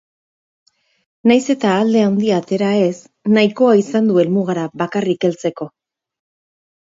Nahiz eta alde handia atera ez nahikoa izan du helmugara bakarrik heltzeko.